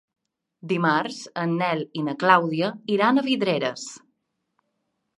Dimarts en Nel i na Clàudia iran a Vidreres.